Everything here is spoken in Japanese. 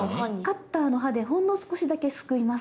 カッターの刃でほんの少しだけすくいます。